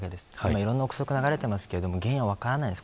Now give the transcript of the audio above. いろんな臆測が流れていますが原因は分からないです。